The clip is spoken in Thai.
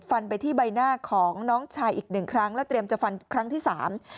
ไปที่ใบหน้าของน้องชายอีกหนึ่งครั้งแล้วเตรียมจะฟันครั้งที่สาม